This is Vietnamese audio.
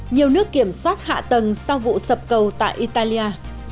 nhiều nước kiểm soát hạ tầng sau vụ sập cầu tại italia